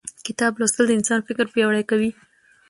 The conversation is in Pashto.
کتاب لوستل د انسان فکر پیاوړی کوي